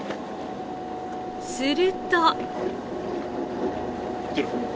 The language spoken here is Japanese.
すると。